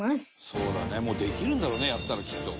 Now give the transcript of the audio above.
「そうだねもうできるんだろうねやったらきっと」